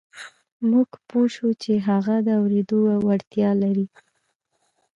موږ پوه شوو چې هغه د اورېدو وړتيا لري.